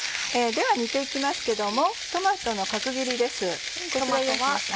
では煮て行きますけどもトマトの角切りです。